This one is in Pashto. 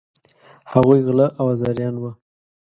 هغوی غله او آزاریان وه.